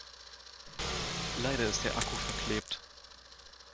Leider ist der Akku verklebt.